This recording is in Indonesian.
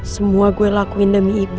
semua gue lakuin demi ibu